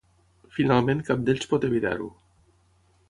Finalment cap d'ells pot evitar-ho.